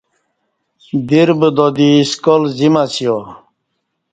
دیر بدا دی سکال زیم اسیا